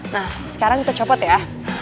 nah sekarang kita copot ya